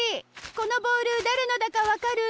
このボールだれのだかわかる？